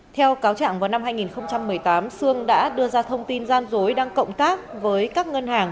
theo cáo trạng vào năm hai nghìn một mươi tám sương đã đưa ra thông tin gian dối đang cộng tác với các ngân hàng